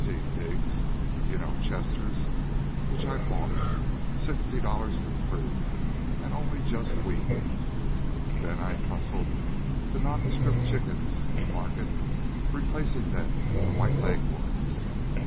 's pigs, you know, Chesters which I bought, sixty dollars for the three, and only just weaned. Then I hustled the nondescript chickens to market, replacing them with the White Leghorns.